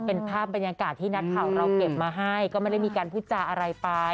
เป็นภาพบรรยากาศที่นักข่าวเราเก็บมาให้ก็ไม่ได้มีการพูดจาอะไรไป